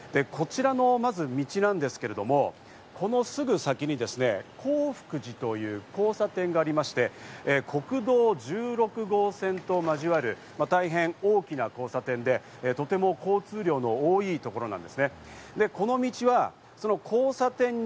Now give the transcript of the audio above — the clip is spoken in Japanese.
こちらの、まず道なんですけれども、このすぐ先に洪福寺という交差点がありまして、国道１６号線と交わる大変、大きな交差点で、とても交通量の多いところなんですね。